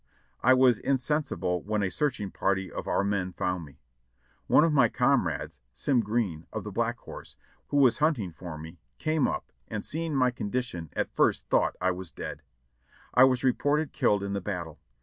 I was insensible when a searching party of our men found me. One of my comrades, Sym Green, of the Black Horse, who was hunting for me, came up, and seeing my condition, at first thought [ was dead ; I was reported killed in the battle.